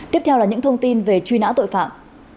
tiếp theo là những thông tin về truy nã tội phạm